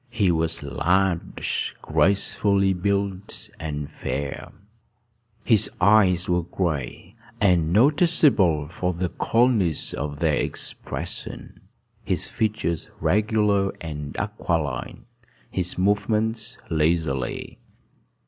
He was large, gracefully built, and fair: his eyes were gray, and noticeable for the coldness of their expression, his features regular and aquiline, his movements leisurely.